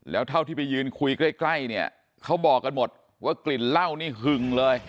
แล้วเท่าที่ไปยืนคุยใกล้เนี่ยเขาบอกกันหมดว่ากลิ่นเหล้านี่หึงเลย